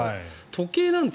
時計なんて